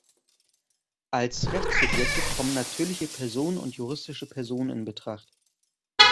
Als Rechtssubjekte kommen natürliche Personen und juristische Personen in Betracht.